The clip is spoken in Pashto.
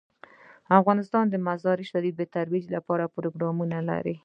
افغانستان د مزارشریف د ترویج لپاره پروګرامونه لري.